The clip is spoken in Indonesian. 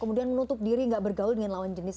kemudian menutup diri nggak bergaul dengan lawan jenis